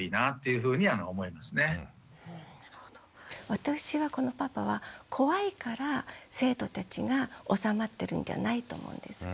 私はこのパパは怖いから生徒たちが収まってるんじゃないと思うんです。